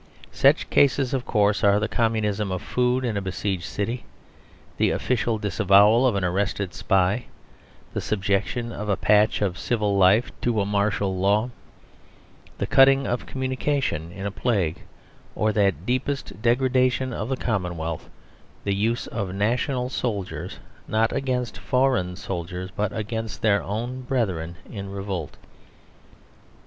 Such cases, of course, are the communism of food in a besieged city; the official disavowal of an arrested spy; the subjection of a patch of civil life to martial law; the cutting of communication in a plague; or that deepest degradation of the commonwealth, the use of national soldiers not against foreign soldiers, but against their own brethren in revolt.